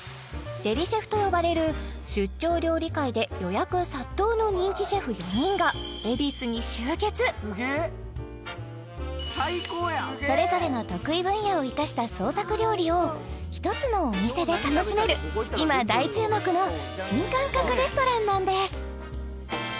デリシェフと呼ばれる出張料理界で予約殺到の人気シェフ４人が恵比寿に集結それぞれの得意分野を生かした創作料理を一つのお店で楽しめる今大注目の新感覚レストランなんです